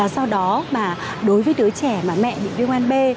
sau đó mà đối với đứa trẻ mà mẹ bị viêm gan b